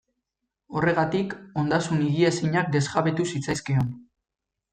Horregatik, ondasun higiezinak desjabetu zitzaizkion.